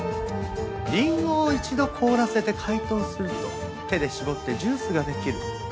リンゴを一度凍らせて解凍すると手で搾ってジュースができる。